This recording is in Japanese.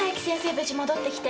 無事戻ってきて。